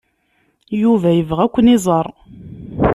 Yuba yebɣa ad ken-iẓer.